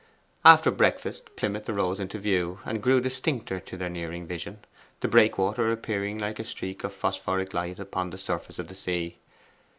After breakfast, Plymouth arose into view, and grew distincter to their nearing vision, the Breakwater appearing like a streak of phosphoric light upon the surface of the sea.